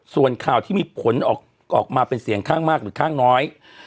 ส่วนข่าวที่มีผลออกมาเป็นเสียงข้างมากหรือข้างน้อย